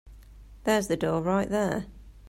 There's the door right there.